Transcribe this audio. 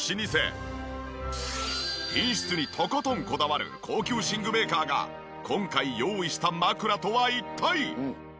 品質にとことんこだわる高級寝具メーカーが今回用意した枕とは一体？